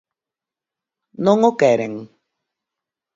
Non o queren?